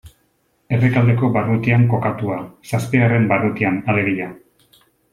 Errekaldeko barrutian kokatua, zazpigarren barrutian alegia.